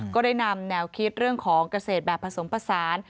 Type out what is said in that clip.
ก็ได้นำแนวคิดเรื่องของเกษตรแบบผสมผสาน